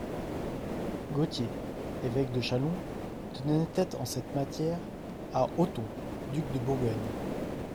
Gautier, évêque de Châlons, tenait tête en cette matière à Othon, duc de Bourgogne.